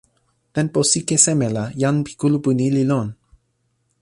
tenpo sike seme la jan pi kulupu ni li lon?